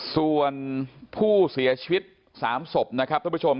ส่วนผู้เสียชีวิต๓ศพนะครับท่านผู้ชม